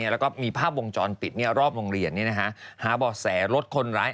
แล้วก็มีภาพวงจรปิดรอบโรงเรียนหาบ่อแสรถคนร้าย